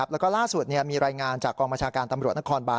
และร่าสุดมีรายงานจากกองประชาการบุตรนครบาน